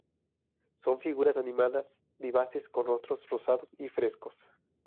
Son figuras animadas, vivaces, con rostros rosados y frescos.